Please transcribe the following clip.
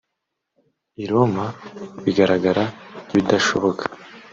i Roma bigaragara nk’ibidashoboka